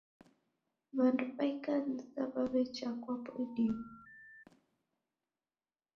W'andu wa ikanisa wawe'cha kwapo idime